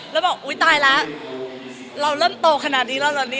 แล้วบอกอุ๊ยตายละเราเริ่มโตขนาดนี้เราเริ่มโตนี้